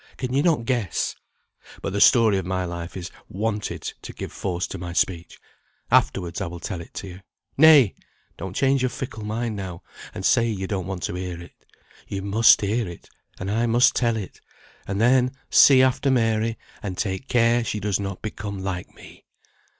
Can you not guess? But the story of my life is wanted to give force to my speech, afterwards I will tell it you. Nay! don't change your fickle mind now, and say you don't want to hear it. You must hear it, and I must tell it; and then see after Mary, and take care she does not become like me.